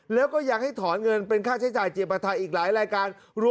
แล้วก็ยังให้ถอนเงินเป็นค่าใช้จ่ายเจียปัทธาอีกหลายรายการ